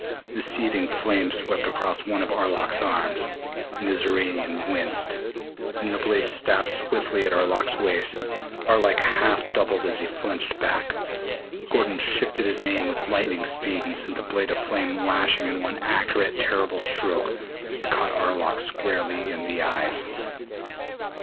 The searing flame swept across one of Arlok's arms, and the Xoranian winced. Then the blade stabbed swiftly at Arlok's waist. Arlok half doubled as he flinched back. Gordon shifted his aim with lightning speed and sent the blade of flame lashing in one accurate terrible stroke that caught Arlok squarely in the eyes.